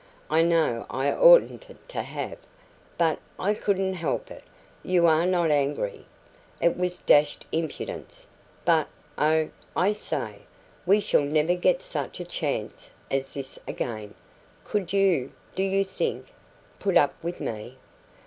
"I know I oughtn't to have but I couldn't help it! You are not angry? It was dashed impudence but oh, I say! we shall never get such a chance as this again could you, do you think, put up with me?